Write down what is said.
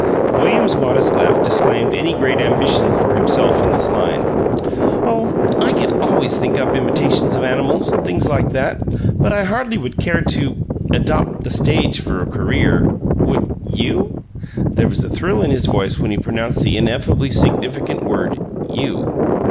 William's modest laugh disclaimed any great ambition for himself in this line. "Oh, I always could think up imitations of animals; things like that but I hardly would care to to adop' the stage for a career. Would you?" (There was a thrill in his voice when he pronounced the ineffably significant word "you.")